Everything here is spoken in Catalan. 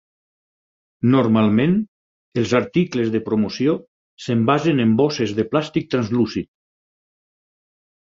Normalment, els articles de promoció s'envasen en bosses de plàstic translúcid.